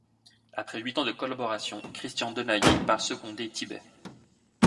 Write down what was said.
Après huit ans de collaboration, Christian Denayer part seconder Tibet.